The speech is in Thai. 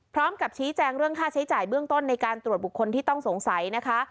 พร้อมกับชี้แจงเรื่องค่าใช้จ่ายเบื้องต้นในการตรวจบุคคลที่ต้องสงสัยนะคะ